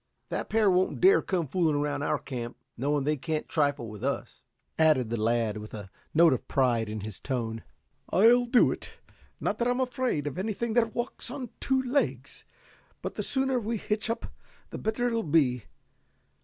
That pair won't dare come fooling around our camp, knowing they can't trifle with us," added the lad, with a note of pride in his tone. "I'll do it. Not that I'm afraid of anything that walks on two legs, but the sooner we hitch up the better it'll be.